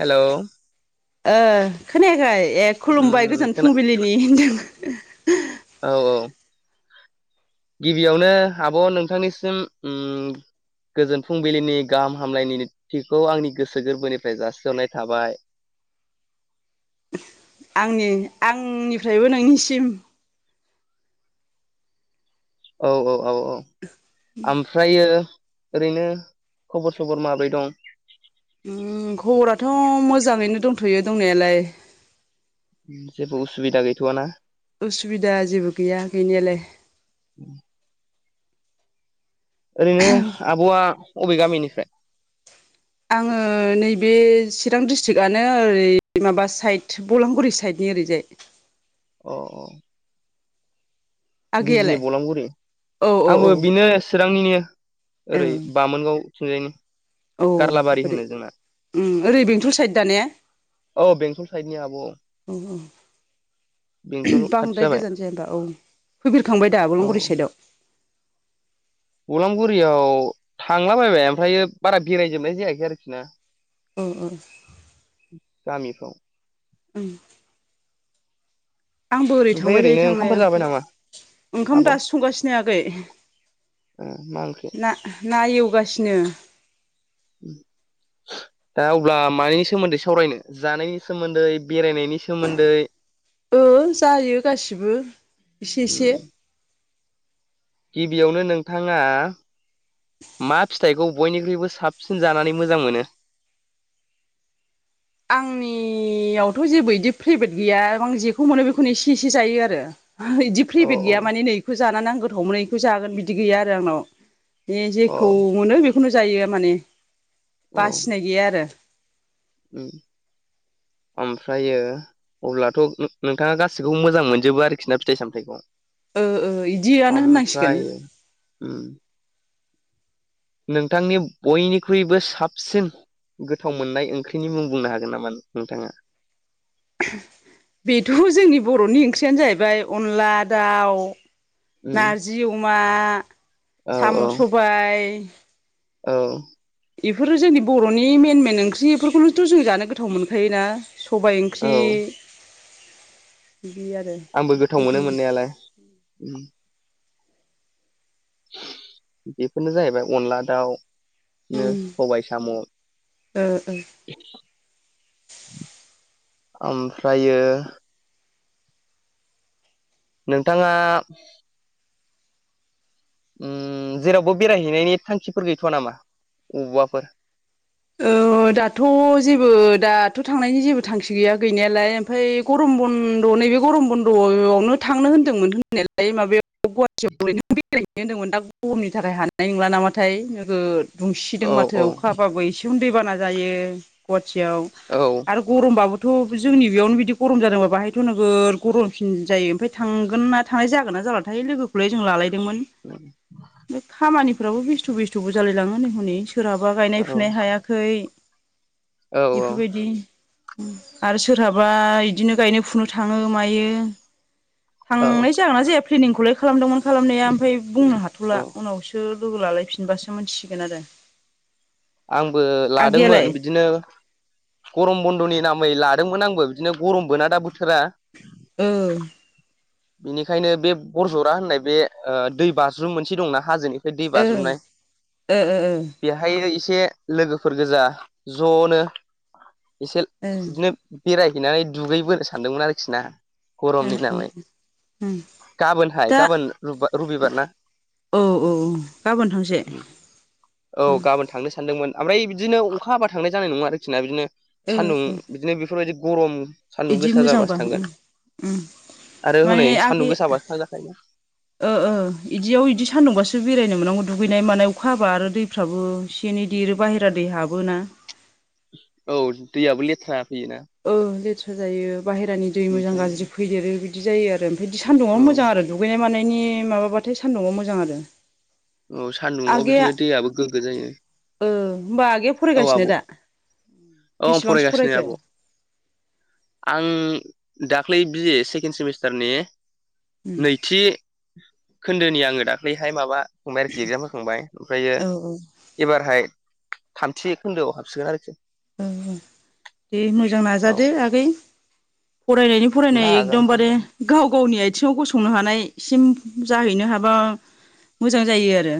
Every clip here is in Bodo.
हेल' ओ खोनायाखै ए खुलुमबाय उम गोजोन खोना फुंबिलिनि औ औ गिबियावनो आब' नोंथांनिसिम ओम गोजोन फुंबिलिनि गाहाम हामलायनायनिथिखौ आंनि गोसो गोरबोनिफ्राय जासिहरनाय थाबाय आंनि आंनिफ्रायबो नोंनिसिम औ औ औ औ ओमफ्रायो ओरैनो खबर सबर माब्रै दं खबराथ' मोजाङैनो दंथ'यो दंनायालाय जेबो उसुबिदा गैथ'वाना उसुबिदा जेबो गैया गैनायालाय ओरैनो आब'आ बबे गामिनिफ्राय आङो नैबे चिरां डिस्ट्रिकआनो ओरै माबा साइद बलांगुरि साइडनि ओरैजाय औ औ बिजनि आगैयालाय बलांगुरि औ औ औ आंबो बिनो चिरांनिनो औ ओरै बामोनगाव थिंनजायनि औ ओरै ओरै बेंथल साइद दा ने औ बेंटल साइडनि आब' ओं बेंथल खाथि बांद्राय जाबाय गोजान जाया औ फैफेरखांबाय दा औ अलंगुरि साइदआव बलांगुरियाव थांला बाबाय ओमफ्राययो बारा बेरायजोबनाय जायाखै आरोखि ना ओ ओ गामिफ्राव ओं आंबो ओरै ओमफ्राय थांबाय थायो ओरैनो ओंखामफोर थांनाया जाबाय नामा ओंखाम आब' ओ दासो संगासिनो आगै मा ओंख्रि ना ना एवगासिनो [inaudible] दा अब्ला मानिनि सोमोन्दै सावरायनो जानायनि सोमोन्दै बेरायनायनि सोमोन्दै ओ जायो गासिबो एसे एसे उम गिबियावनो नोंथाङा मा फिथाइखौ बयनिख्रुइबो साबसिन जानानै मोजां मोनो आंनि यावथ' जेबो इदि फेभ्रेट गैया आं जेखौ मोनो बेखौनो एसे एसे जायो आरो? इदि औ फ्रेभेट औ गैया माने नै बेखौ जाना आं गौथावमोनो बेखौ जागोन बिदि गैया आरो आंनाव। बे औ जेखौ मोनो बेखौनो जायो माने औ बासिनाय गैया आरो। ओमफ्रायो! अब्लाथ' नोंथाङा गासिखौबो मोजां मोनजोबो आरोखि ना फिथाइ सामथाइखौ ओ ओ इदियानो होननांसिगोन ओमफ्राय [inaudible] नोंथांनि बयनिख्रुइबो साबसिन गोथाव मोननाय ओंख्रिनि मुं बुंनो हागोन नामा नोंथाङा? बेथ' जोंनि बर'नि ओंख्रियानो जाहैबाय अनला दाउ, उम नारजि जि अमा, औ साम' औ सबाय। औ बेफोरो जोंनि बर'नि मेन मेन ओंख्रि बेफोरखौनोथ' जों जानो गोथाव मोनखायोना। सबाय औ ओंख्रि बिदि आरो। आंबो गोथाव मोनो बेखौनो मोननाय यालाय। बेफोरनो जाहैबाय अनला दाउ, इदिनो उम सबाय साम'। ओ ओमफ्रायो नोंथाङा उम जेरावबो बेरायहैनायनि थांखिफोर गैथ'वा नामा बबावबाफोर? ओ [inaudible] दाथ' जेबो दाथ' थांनायनि जेबो थांखि गैया गैनायालाय ओमफ्राय गरम बन्द' नैबे गरम बन्द'आवनो थांनो होनदोंमोन। होननायालाय माबायाव गुवाहाटियाव ओरैनो बेनो होनदोंमोन दा गरमनि थाखाय हानाय नंला नामाथाय नोगोद दुंसिदों औ माथो औ अखाबाबो एसे दैबाना जायो गुवहााटियाव। औ आरो गरमबाबोथ' जोंनि बेयावनो बिदि गरम जादोंबा बाहायथ' नोगोद गरमसिन जायो। ओमफ्राय थांगोन ना थांनाय जाला थाय लोगोखौलाय जों लालायदोंमोन। बे खामानि फोराबो बेस्थ' बेस्थ'बो जालाय लाङो नै हनै सोरहाबा गायनाय औ फुनाय हायाखै‌ औ बेफोरबायदि आरो सोरहाबा इदिनो गायनो फुनो थाङो मायो। औ थांनाय जागोनना जाया प्लेनिंखौलाय खालामदोंमोन खालामनाया ओमफ्राय बुंनो औ हाथ'ला उनावसो लोगो लालायफिनबासो मिथिसिगोन आरो। आंबो आगैयालाय लादोंमोन बिदिनो गरम बन्द'नि नामै लादोंमोन आंबो बिदिनो गरमबो ना दा बोथोरा। ओ बिनिखायनो बे बरजरा होननाय बे दै बाज्रुम मोनसे दंना हाजोनि बे ओ बाज्रुमनाय ओ बेहाय एसे लोगोफोर गोजा ज'नो एसे ओ बिदिनो बेरायहैनानै दुगैबोनो सानदोंमोन आरोखि ना गरमनि नामै। उम गाबोनहाय गाबोन रबि रबिबार ना? औ औ गाबोन थांसै? औ गाबोन थांनो सान्दोंमोन। ओमफ्राय बिदिनो अखा हाबा थांनाय जानाय नङा आरोखि ना बिदिनो ओ सान्दुं ओ बिदिनो बेफोरबायदि गरम। सान्दुं इदि गोसा मोजांबा जाबासो उम थांगोन आरो माने हनै आगै सान्दुं गोसाबासो थांजाखायोना। ओ इदियाव इदि सान्दुंबासो बेरायनो मोननांगौ दुगैनाय मानाय अखा हाबा आरो दै फ्राबो एसे एनै देरो बाहेरा दै हाबोना। औ दैयाबो लेथ्रा फैयोना। औ लेथ्रा जायो। बाहेरानि दै मोजां ओमफ्राय गाज्रि फैदेरो बिदि जायो आरो बिदि सान्दुंआव औ मोजां आरो। दुगैनाय मानायनि माबाबाथाय सान्दुंआव मोजां आरो। औ सान्दुङआव आगैया बिदिनो दैयाबो गोग्गो जायो। ओ होमबा आगैआ औ फरायगासिनो आब' दा औ आं बेसेबांसो फरायगासिनो फरायखो? आब' आं दाख्लै बि ए सेकेन्ड सेमिस्टारनि उम नैथि खोन्दोनि आङो दाख्लैहाय माबा खांबाय आरोखि एगजाम होखांबाय ओमफ्रायो औ एबारहाय थामथि खोन्दोआव हाबसिगोन आरोखि औ औ दे मोजां औ नाजादो आगै फरायनायनि फरायनाय नाजानोसै एकदमबारे गाव गावनि आथिङाव गसंनो हानायसिम जाहैनो हाबा। मोजां जायो आरो।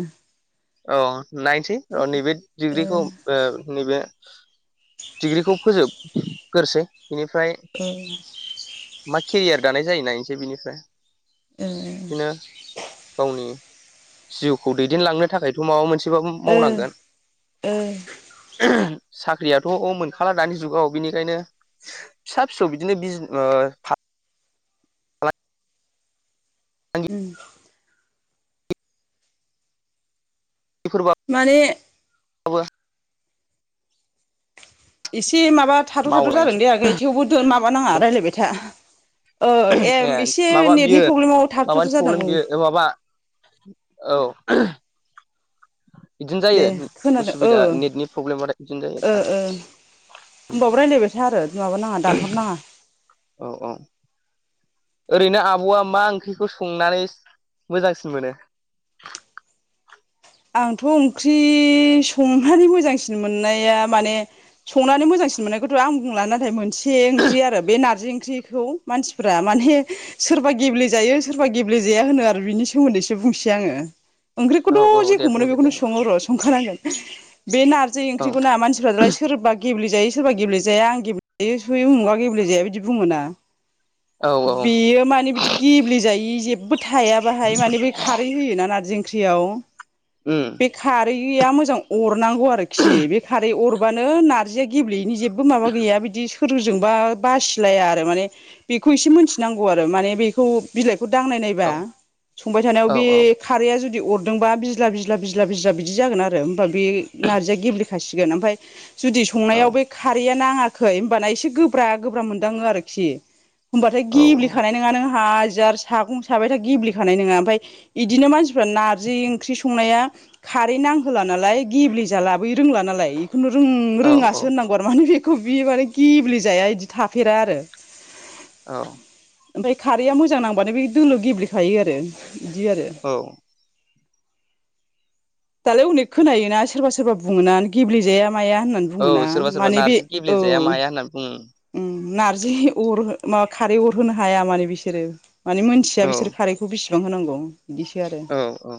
औ नायनोसै औ नैबे ओ डिग्रिखौ ओ नैबे डिग्रिखौ फोजोब गोरसै बिनिफ्राय औ मा केरियार दानाय जायो नायनोसै बिनिफ्राय। बिदिनो गावनि जिउखौ दैदेनलांनो थाखाय माबा मोनसेबो ओ मावनांगोन। ओ साख्रियाथ' औ मोनखाला दानि जुगाव बिनिखायनो फिसा फिसौ बिदिनो बिज ओ उम बेफोरबा माने एसे माबा थाद' थाथ' जादों मावलायनोसै दे आगै थेवबो माबानाङा रायज्लायबाय था। ओ ए एम एसे माबा बियो नेटनि प्रब्लेमाव माबानि थाबथाथार जादों प्रब्लेम औ। बियो माबा औ बिदिनो जायो दे खोनादों ओ उसुबिदा नेटनि प्रब्लेम बिदिनो जायो ओ थार। ओ होमबाबो रायज्लायबायथा आरो माबानाङा दानहरनाङा। औ औ ओरैनो आब'आ मा ओंख्रिखौ संनानै मोजांसिन मोनो? आंथ' ओंख्रि संनानै मोजांसिन मोननाया माने संनानै मोजांसिन मोननायखौथ' आं बुंला नाथाय मोनसे ओंख्रि आरो बे नारजि ओंख्रिखौ मानसिफ्रा माने सोरबा गेब्लेेजायो सोरबा गेब्लेेजाया होनो आरो बिनि सोमोन्दैसो बुंसै आङो। औ ओंख्रिखौथ' औ दे जेखौ मोनो बुंदो दे बेखौनो औ सङो र' संखानांगोन। बे नारजि ओंख्रिखौ ना मानसिफ्रा सोरबा गेब्लेेजायो सोरबा गेबेेजाया आं गेबेे जायो सुयो उमुगा गेब्लेेजाया बिदि बुङोना। औ औ बेयो माने बिदि गेब्लेजायि जे जेबो थाया बाहाय माने बै खारै होयोना नारजि ओंख्रियाव उ बे खारैया मोजां अरनांगौ आरोखि बे खारै अरबानो नारजिया गेब्लेयैनि जे बो माबा गैया बिदि सोरजोंबा बासिलाया आरो माने बेखौ एसे मिथिनांगौ आरो माने बेखौ बिलाइखौ दांनाय नायबा औ संबाय थानायाव औ बे औ खारैया जुदि अरदोंबा बिज्ला बिज्ला बिज्ला बिज्ला बिदि जागोन आरो होमबा बे नारजैया गेब्ले खासिगोन ओमफ्राय जुदि औ संनायाव बै खारैया नाङाखै होनोमबाना एसे गोब्रा गोब्रा मोनदाङो आरोखि। होमबाथाय औ गेब्लिखानाय नङा नों हाजार सागं साबायथा गेब्लेखानाय नङा ओमफ्राय बिदिनो मानसिफ्रा नारजि ओंख्रि संनाया खारै नांहोला नालाय गेब्लेजाला बै रोंला नालाय। खुनु रों औ औ रोङासो होननांगौ आरो माने बेखौ बि माने गेब्ले जाया बिदि थाफेरा आरो। औ ओमफ्राय खारैया मोजां नांबानो बे दोलो गेब्लेखायो आरो बिदि आरो। औ दालाय अनेक खोनायोना सोरबा सोरबा बुङोना गेब्लेेजाया माया होननानै। औ बुङोना सोरबा सोरबा माने बे नारजि औ। गेब्लेजाया [unintelligible] नार्जि अर माबा खारै अर होनो हाया माने बिसोरो मानिे मोनथिया बिसोर खारै बेखौ बेसेबां होनांगौ बिदिसो आरो औ औ औ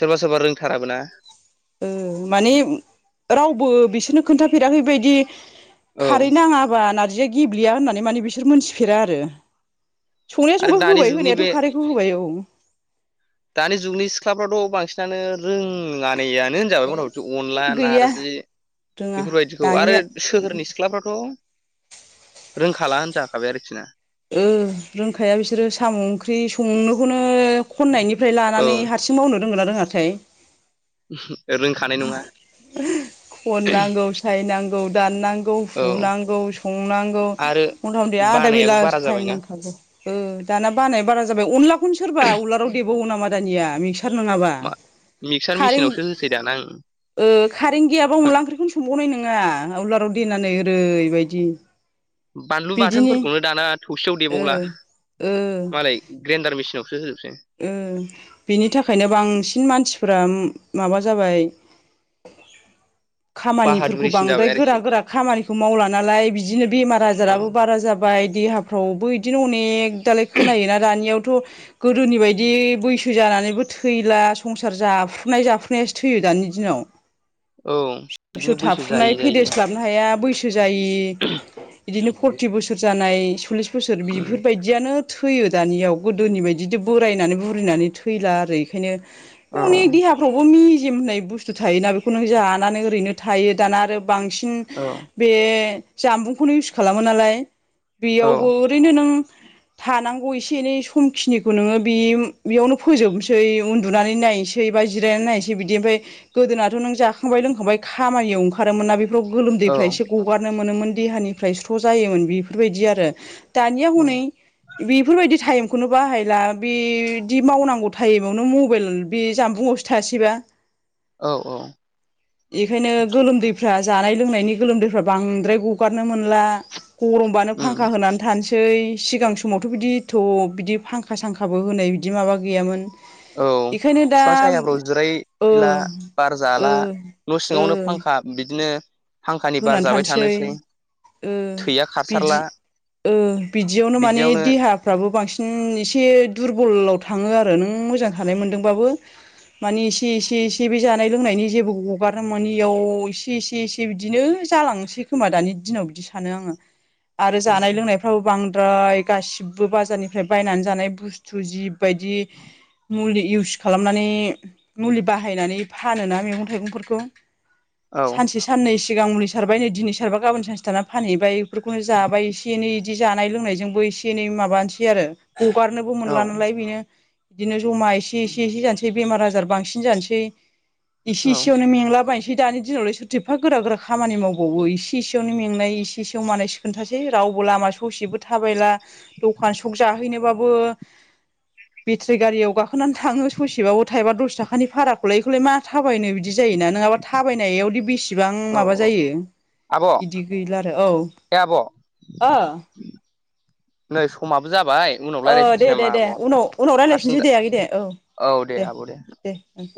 सोरबा सोरबा रोंथाराबो ना ओ माने रावबो बिसोरनो खोन्थाफेरा औ खारै नाङाबा नार्जिया गेब्लिया होननानै माने बिसोर मोनथिफेरा आरो संनाया आरो संबाय दानि होबाय जुगनि होनायाथ' बे खारैखौ होबाय औ दानि जुगनि सिख्लाफ्राथ' बांसिनानो रोंयानैआ नो होनजाबाय ए मथा मथि अनला गैया नारजि रोङा बेफोरबायदिखौ आरो दानिया सोहोरनि सिख्लाफ्रा थ' रोंखाला होनजाखाबाय आरोखिना ओ रोंखाया बिसोरो साम' ओंख्रि संनोखौनो खन्नायनिफ्राय औ लानानै हा हारसिं मावनो रोंगोनना रोङाथाय [unintelligible] खन नांगौ साय नांगौ दाननांगौ गौ औ हुनांगौ संनांगौ आरो मथा मथि आधा बानायाबो बेला बारा टाइम जाबायना नांखागौ ओ दाना बानाया बारा जाबाय अनलाखौनो सोरबा उलाराव देबावो नामा दानिया मिक्सार नङाबा मा मिक्सार कारेन्ट मेसिनावसो होसै दान ओं ओ खारेन्ट गैयाबा अनला ओंख्रिखौनो संबावनाय नङा उलाराव देनानै ओरैबायदि बानलु बिदिनि बाथोनफोरखौनो दाना थौसेयाव ओ देबावला ओ मालाय ग्रेन्दडार मेसिनावसो होजोबसै ओ बिनि थाखायनो बांसिन मानसिफोरा माबा जाबाय [inaudible] खामानिफोरखौ बाहादुरिसिन बांद्राय जाबाय गोरा आरोखि गोरा खामानिखौ मावला नालाय बिदिनो बेमार औ आजाराबो बारा जाबाय बाय देहाफ्रावबो बिदिनो अनेक दालाय खोनायोना दानियावथ' गोदोनि बायदि बैसो जानानैबो थैला संसार जाफ्रुनाय जाफ्रुनायासो थैयो दानि दिनाव औ बिदिनो बैसो जायै जायै या हनो हाया बैसो जाय बिदिनो फरथि बोसोर जानाय सल्लिस बोसोर बिफोरबायदि बिदियानो थैयो दानियाव गोदोनि बायदि बिदि बोरायनानै बुरिनानै थैला आरो बेखायनो औ उनि गि हाब [unintelligible] मेजेम होननाय बुस्थु थायोना बेखौनो जानानै ओरैनो थायो दाना आरो बांसिन अ बे जामबुंखौनो इउस खालामो नालाय औ बेयावबो ओरैनो नों थानांगौ एसे एनै समखिनि खौ नोङो बि बेयावनो फोजोबनोसै उन्दुनानै नायनोसै बा जिरायनानै नायनोसै बिदि ओमफ्राय गोदोनाथ' नों जाखांबाय लोंखांबाय खामानियाव ओंखारोमोन ना बे बेफ्राव गोलोमदैफ्रा औ एसे गगारनो मोनोमोन देहानिफ्राय स्र' जायोमोन बेफोरबायदि आरो दानिया औ हनै बेफोरबायदि टाइमखौनो बाहाय मला बिदि मावनांगौ टाइमावनो मबाइल बे जानबुंआवसो थासैबा औ औ बेखायनो गोलोमदैफ्रा जानाय लोंनायनि गोलोमदैफ्रा बांद्राय गगारनो मोनला गरमबानो उम फांखा होनानै थानोसै सिगां समावथ' बिदि एथ' बिदि फांखा फांसांखाबो होनाय बिदि माबा गैयामोन औ बेखायनो दा बिफां सामाफोराव ओ जिरायला बार ओ जाला न' ओ सिङावनो फांखा बिदिनो फांखानि बार जाबाय थानोसै ओ थैया बिदि खारसारला बिदियावनो माने देहा फोराबो बांसिन एसे दुरबलाव थाङो आरो नों मोजां थानाय मोन्दोंबाबो मानि एसे एसे एसे बे जानाय लोंनायनि जेबो हगारना माने इयाव एसे एसे एसे दिनो जालांसै खोमा दानि दिनाव बिदि सानो आङो। आरो जानाय लोंनाय थाव बांद्राय गासिबो बाजारनिफ्राय बायनानै जानाय बुस थु जि बायदि मुलि इउस खालामनानै मुलि बाहायनानै फानोना मैगं थाइगंफोरखौ औ सानसे साननै सिगां मुलि सारबाय नै दिनै सारबा गाबोन सानसे थानानै फानहैबाय बेफोरखौनो जाबाय एसे एनै बिदि जानाय लोंनायजोंबो एसे एनै माबानोसै आरो हगारनोबो औ मोनला नालाय बेनो बिदिनो जमा एसे एसे एसे जानोसै बेमार आजार बांसिन जानोसै इसे औ इसेयावनो मेंला बाय दानि दिनावलाय सोरथो एफा गोरा गोरा खामानि मावबावो इसे एसेयावनो मेंनाय इसे एसेयाव मानाय खोन्थासै रावबो लामा ससेबो थाबायला। दखान सख जाहैनोबाबो बेथ्रि गारियाव गाखोनानै थाङो ससेबाबो थायबा दस थाखानि भाराखौलाय इखौलाय मा थाबायनो बिदि जायो ना। नङाबा थाबायनायावदि बेसिबां औ माबा औ जायो आब' बिदि गैला आरो औ। ए आब' ओ नै समाबो जाबाय। उनाव औ रायज्लायफिनसै दे दे नामा दे आब' उनाव उनाव हारसिं रायलायफिनसै दे आगै दे औ दे दे उम।